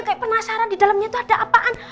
kayak penasaran di dalamnya itu ada apaan